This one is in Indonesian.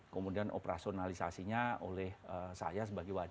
kemudian operasionalisasinya oleh saya sebagai wadi rut